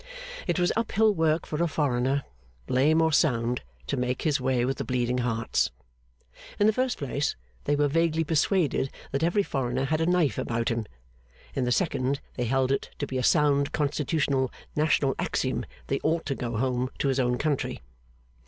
It was uphill work for a foreigner, lame or sound, to make his way with the Bleeding Hearts. In the first place, they were vaguely persuaded that every foreigner had a knife about him; in the second, they held it to be a sound constitutional national axiom that he ought to go home to his own country.